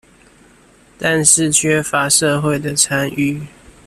但是缺乏社會的參與